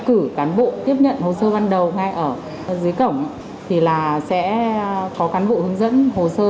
cử cán bộ tiếp nhận hồ sơ ban đầu ngay ở dưới cổng thì là sẽ có cán bộ hướng dẫn hồ sơ